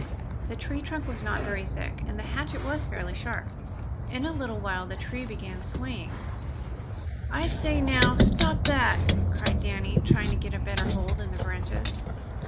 The tree trunk was not very thick, and the hatchet was fairly sharp. In a little while the tree began swaying. "I say now, stop that!" cried Danny, trying to get a better hold in the branches.